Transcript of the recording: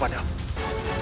percayalah putraku kian santa